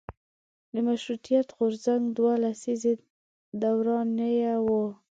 مشروطیت غورځنګ دوه لسیزې دورانیه وه.